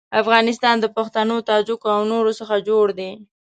افغانستان له پښتنو، تاجکو او نورو څخه جوړ دی.